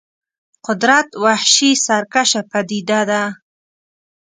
قدرت وحشي سرکشه پدیده ده.